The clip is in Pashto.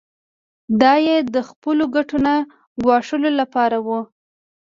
دا یې د خپلو ګټو نه ګواښلو لپاره و.